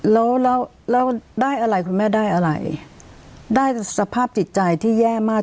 แล้วแล้วได้อะไรคุณแม่ได้อะไรได้สภาพจิตใจที่แย่มาก